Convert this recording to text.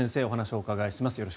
お話をお伺いします。